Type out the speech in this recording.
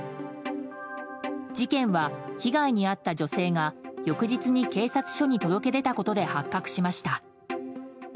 事件は、被害に遭った女性が翌日に警察署に届け出たことで発覚しました。